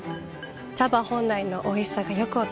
茶葉本来のおいしさがよく分かります。